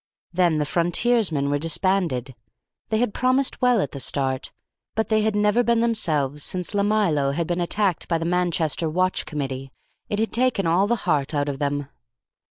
Then the Frontiersmen were disbanded. They had promised well at the start, but they had never been themselves since La Milo had been attacked by the Manchester Watch Committee. It had taken all the heart out of them.